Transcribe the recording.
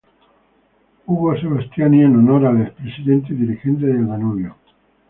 Hugo Sebastiani en honor al ex-presidente y dirigente de Danubio.